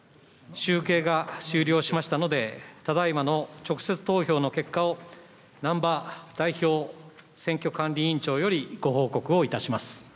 集計が終了しましたので、ただいまの直接投票の結果を、難波代表選挙管理委員長よりご報告をいたします。